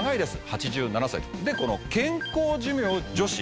８７歳でこの健康寿命女子。